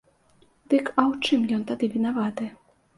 Дык а ў чым ён тады вінаваты?